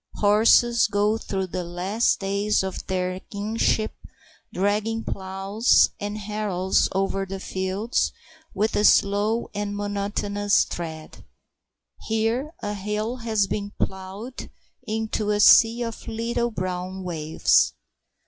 Horses go through the last days of their kingship dragging ploughs and harrows over the fields with slow and monotonous tread. Here a hill has been ploughed into a sea of little brown waves.